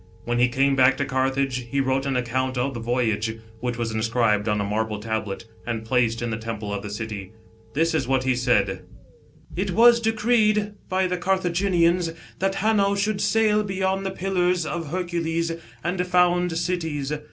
When he came back to Carthage he wrote an account of the voyage, which was inscribed on a marble tablet and placed in the temple of the city ; and this is what he said :" It was decreed, by the Carthaginians, that B.C. 520.] WEST AFKICA 77 should sail beyond th# .Pillars of Hercules an& found cities.